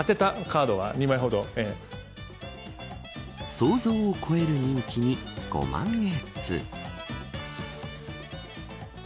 想像を超える人気にご満悦。